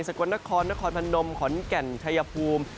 กวนนครนครพนมขอนแก่นชัยภูมิ